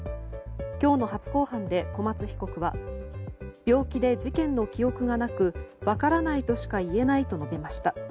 今日の初公判で小松被告は病気で事件の記憶がなく分からないとしか言えないと述べました。